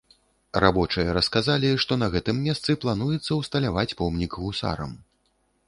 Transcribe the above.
Рабочыя расказалі, што на гэтым месцы плануецца ўсталяваць помнік гусарам.